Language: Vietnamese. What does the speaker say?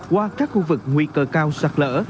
qua các khu vực nguy cơ cao sạc lỡ